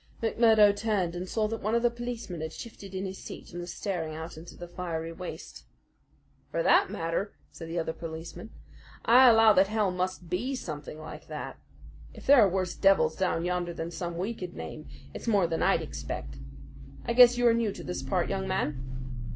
McMurdo turned and saw that one of the policemen had shifted in his seat and was staring out into the fiery waste. "For that matter," said the other policeman, "I allow that hell must BE something like that. If there are worse devils down yonder than some we could name, it's more than I'd expect. I guess you are new to this part, young man?"